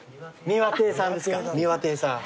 三輪亭さんですか三輪亭さん。